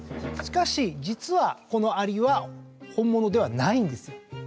しかし実はこのアリは本物ではないんですよ。